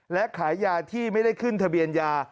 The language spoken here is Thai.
และขายยาที่ไม่ได้ขึ้นทะเบียนยา